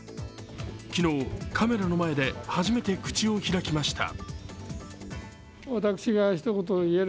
昨日、カメラの前で初めて口を開きました。